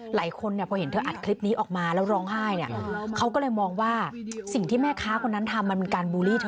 หลายคนเนี่ยพอเห็นเธออัดคลิปนี้ออกมาแล้วร้องไห้เนี่ย